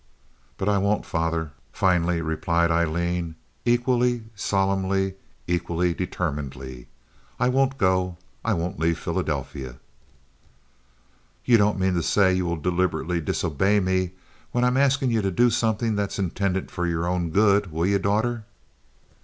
"But I won't, father," finally replied Aileen, equally solemnly, equally determinedly. "I won't go! I won't leave Philadelphia." "Ye don't mane to say ye will deliberately disobey me when I'm asking ye to do somethin' that's intended for yer own good, will ye daughter?"